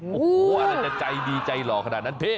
โอ้โหอะไรจะใจดีใจหล่อขนาดนั้นพี่